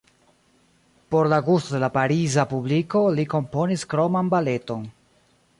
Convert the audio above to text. Por la gusto de la Pariza publiko li komponis kroman baleton.